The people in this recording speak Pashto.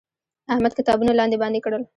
احمد کتابونه لاندې باندې کړل.